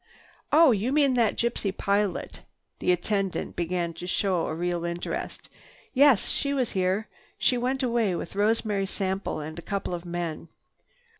"Oh, you mean that gypsy pilot!" The attendant began to show a real interest. "Yes, she was here. She went away with Rosemary Sample and a couple of men."